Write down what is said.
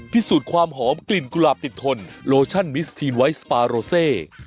พิสูจน์ความหอมกลิ่นกุหลาบติดทนโลชั่นมิสทีนไวท์สปาโรเซ